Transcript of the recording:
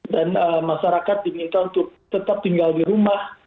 dan masyarakat diminta untuk tetap tinggal di rumah